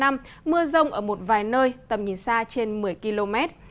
mưa rông ở một vài nơi tầm nhìn xa trên một mươi km